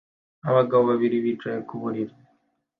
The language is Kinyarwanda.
Abagabo babiri bicaye ku buriri